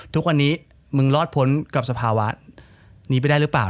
ทุกวันนี้มึงรอดพ้นกับสภาวะนี้ไปได้หรือเปล่า